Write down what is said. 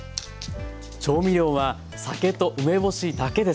調味料は酒と梅干しだけです。